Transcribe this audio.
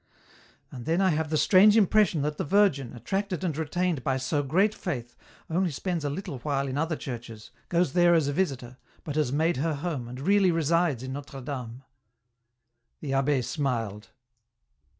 " And then I have the strange impression that the Virgin, attracted and retained by so great faith, only spends a little while in other churches, goes there as a visitor, but has made her home, and really resides in Notre Dame." The abbd smiled.